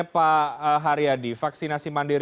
pak haryadi vaksinasi mandiri